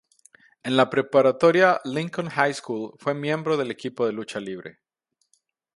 En la preparatoria Lincoln High School fue miembro del equipo de lucha libre.